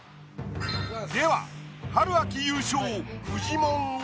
では春・秋優勝フジモンは？